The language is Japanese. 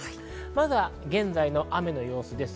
まずは現在の雨の様子です。